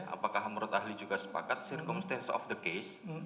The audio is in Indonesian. apakah menurut ahli juga sepakat circumstance of the case